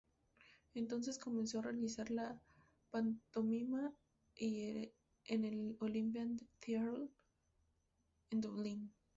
Entonces comenzó a realizar la pantomima en el "Olympia Theatre" en Dublín.